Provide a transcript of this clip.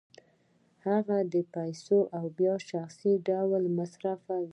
هغه دا پیسې بیا په شخصي ډول مصرفوي